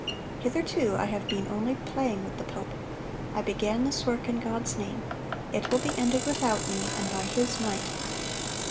Hitherto I have been only playing with the pope. I began this work in God's name; it will be ended without me, and by His might."